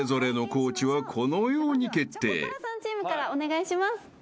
チョコプラさんチームからお願いします。